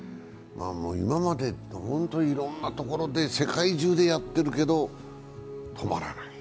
今まで、本当にいろんなところで世界中でやってるけど止まらない。